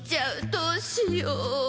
どうしよう。